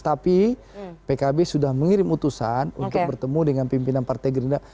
tapi pkb sudah mengirim utusan untuk bertemu dengan pimpinan partai gerindra